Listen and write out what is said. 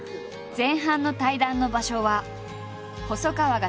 前半の対談の場所は細川が